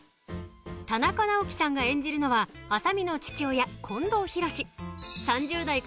田中直樹さんが演じるのは麻美の父親